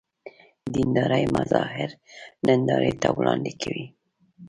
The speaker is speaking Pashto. دیندارۍ مظاهر نندارې ته وړاندې کوي.